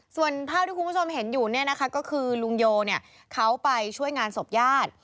ส่วนภาพที่คุณผู้ชมเห็นอยู่เนี่ยนะคะก็คือลุงโยเขาไปช่วยงานศพญาติ